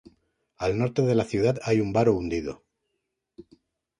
Al norte de la ciudad hay un baro hundido.